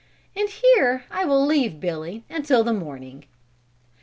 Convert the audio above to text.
And here I will leave Billy until next morning.